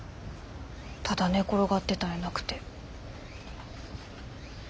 ただ寝転がってたんやなくて。